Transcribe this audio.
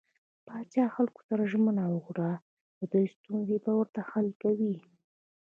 پاچا خلکو سره ژمنه وکړه چې د دوي ستونزې به ورته حل کوي .